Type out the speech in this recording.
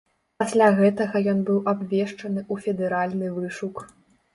Пасля гэтага ён быў абвешчаны ў федэральны вышук.